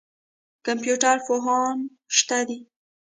کمپیوټر پوهان شته دي.